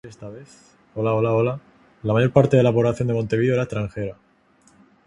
La mayor parte de la población de Montevideo era extranjera.